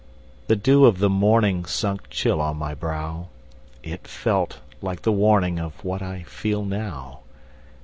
The dew of the morningSunk chill on my brow; It felt like the warningOf what I feel now.